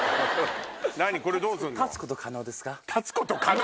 これどうすんの？